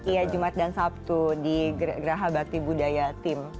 iya jumat dan sabtu di geraha bakti budaya tim